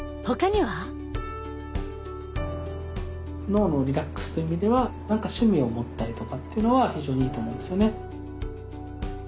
脳のリラックスという意味では何か趣味を持ったりとかっていうのは非常にいいと思うんですよね。